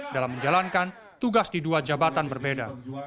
dalam menjalankan tugas di dua jabatan berbeda